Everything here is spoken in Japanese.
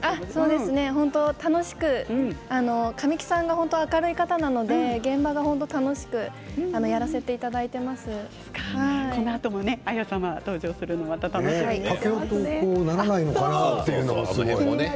楽しく神木さんが明るい方なので現場は本当に楽しくやらせていただいています。また綾様が登場するのか楽しみですね。